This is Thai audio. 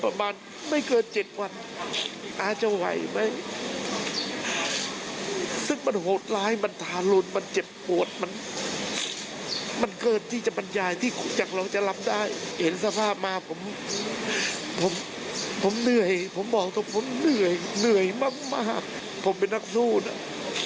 ผมเหนื่อยผมบอกตรงผมเหนื่อยเหนื่อยมากผมเป็นนักสู้นะ